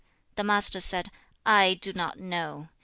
The Master said, 'I do not know.